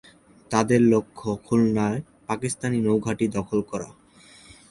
তাদের লক্ষ্য, খুলনায় পাকিস্তানি নৌঘাঁটি দখল করা।